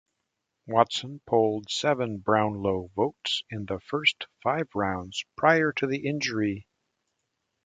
Watson polled seven Brownlow votes in the first five rounds prior to the injury.